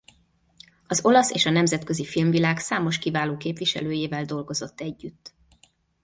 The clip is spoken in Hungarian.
Az olasz és a nemzetközi filmvilág számos kiváló képviselőjével dolgozott együtt.